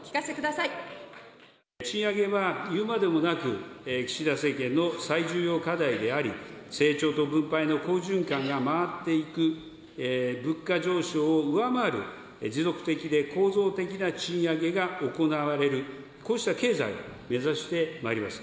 賃上げは言うまでもなく、岸田政権の最重要課題であり、成長と分配の好循環が回っていく、物価上昇を上回る持続的で構造的な賃上げが行われる、こうした経済を目指してまいります。